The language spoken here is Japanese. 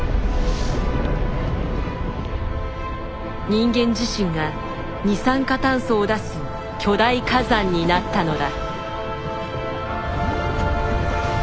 人間自身が二酸化炭素を出す巨大火山になったのだ。